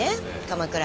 鎌倉